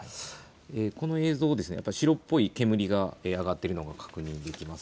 この映像、白っぽい煙が上がっているのが確認できます。